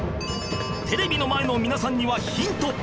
テレビの前の皆さんにはヒント！